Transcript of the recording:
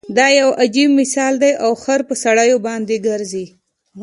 دا يو عجیب مثال دی او خر په سړیو باندې ګرځي.